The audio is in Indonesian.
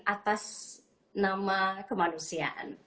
atas nama kemanusiaan